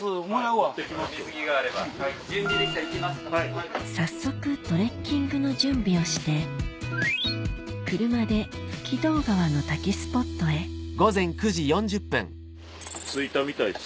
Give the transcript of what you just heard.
・水着があれば・早速トレッキングの準備をして車で吹通川の滝スポットへ着いたみたいです。